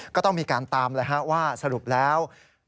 ก็ต้องมีการตามว่าสรุปแล้ว